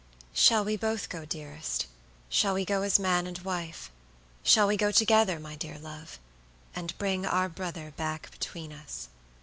"Shall we both go, dearest? Shall we go as man and wife? Shall we go together, my dear love, and bring our brother back between us?"